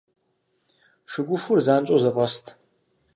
Шыгухур занщӀэу зэфӀэст.